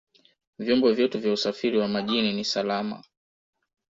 vyombo vyetu vya usafiri wa majini ni salama